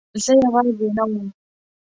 زه یوازې نه وم.